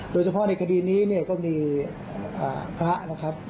โดยเฉพาะในคดีนี้เนี่ยก็มีพระนะครับ